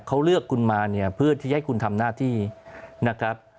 เขาเลือกคุณมาเนี่ยเพื่อที่ให้คุณทำหน้าที่นะครับ